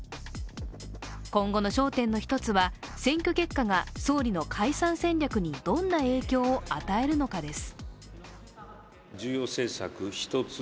今後の焦点の一つは選挙結果が総理の解散戦略にどんな影響を与えるかです。